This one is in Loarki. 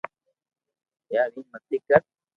يار ايم متي ڪر